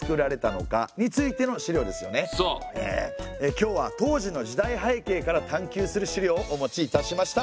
今日は当時の時代背景から探究する資料をお持ちいたしました。